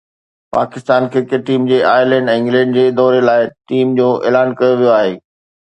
Pakistan cricket team جي Ireland ۽ England جي دوري لاءِ ٽيم جو اعلان ڪيو ويو آهي